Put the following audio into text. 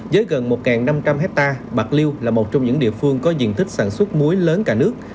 với gần một năm trăm linh hectare bạc liêu là một trong những địa phương có diện tích sản xuất muối lớn cả nước